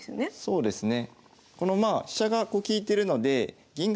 そうですね。